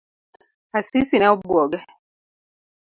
Asisi ne obuoge.